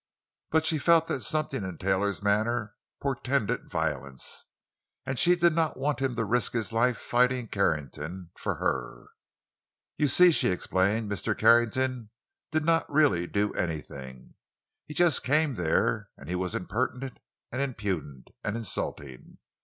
But she felt that something in Taylor's manner portended violence, and she did not want him to risk his life fighting Carrington—for her. "You see," she explained, "Mr. Carrington did not really do anything. He just came there, and was impertinent, and impudent, and insulting.